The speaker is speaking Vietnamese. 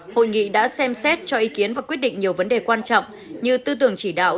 hội nghị đã xem xét cho ý kiến và quyết định nhiều vấn đề quan trọng như tư tưởng chỉ đạo